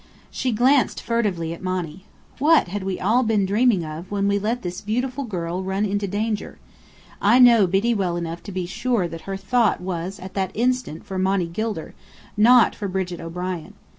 She glanced furtively at Monny. What had we all been dreaming of when we let this beautiful girl run into danger? I know Biddy well enough to be sure that her thought at that instant was for Monny Gilder, not Brigit O'Brien.